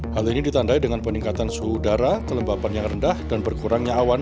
hal ini ditandai dengan peningkatan suhu udara kelembapan yang rendah dan berkurangnya awan